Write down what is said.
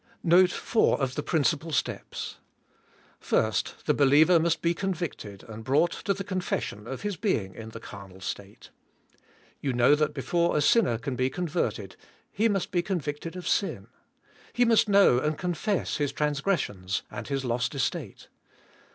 Note four of the principal steps. 1. The believer must be convicted, and broug"ht to the confession of his being" in the carnal state. You know that before a sinner can be converted he must be convicted of sin; he must know and confess his transg ressions, and his lost estate.